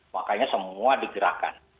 makanya semua digerakkan